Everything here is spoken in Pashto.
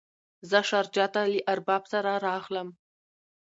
زه شارجه ته له ارباب سره راغلم.